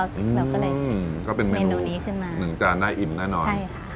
ก็เป็นเมนูนี้ขึ้นมาใช่ค่ะก็เป็นเมนูหนึ่งจาน่ายอิ่มน่าน้อย